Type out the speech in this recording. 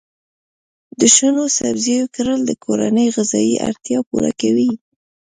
د شنو سبزیو کرل د کورنۍ غذایي اړتیا پوره کوي.